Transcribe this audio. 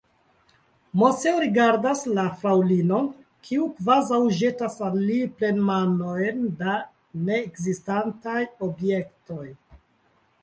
Moseo rigardas la fraŭlinon, kiu kvazaŭ ĵetas al li plenmanojn da neekzistantaj objektoj.